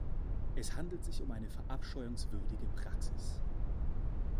Es handelt sich um eine verabscheuungswürdige Praxis.